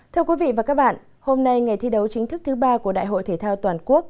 thưa quý vị và các bạn hôm nay ngày thi đấu chính thức thứ ba của đại hội thể thao toàn quốc